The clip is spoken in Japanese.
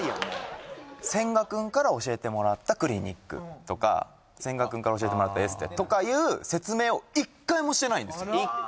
もう千賀くんから教えてもらったクリニックとか千賀くんから教えてもらったエステとかいう説明を１回もしてないんですよ